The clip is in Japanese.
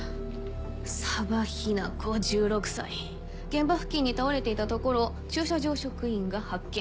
現場付近に倒れていたところを駐車場職員が発見。